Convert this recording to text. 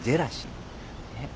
えっ？